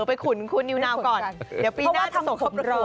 เออไปขุนคุณนิวนาวก่อนเดี๋ยวปีหน้าจะส่งเข้าประกวด